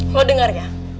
lo denger ya